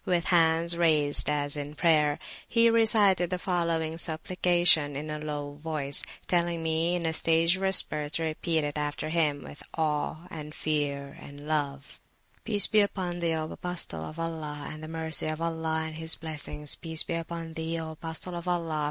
317] with hands raised as in prayer, he recited the following supplication in a low voice, telling me in a stage whisper to repeat it after him with awe, and fear, and love: "Peace be upon Thee, O Apostle of Allah, and the Mercy of Allah and his Blessings! Peace be upon Thee, O Apostle of Allah!